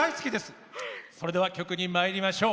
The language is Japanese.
では、曲にまいりましょう。